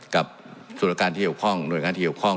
กับสุรการที่หยุดคล่องโดยงานที่หยุดคล่อง